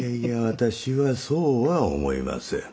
私はそうは思えません。